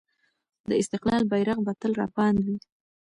د استقلال بیرغ به تل رپاند وي.